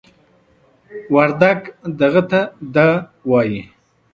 وردگ "دغه" ته "دَ" وايي.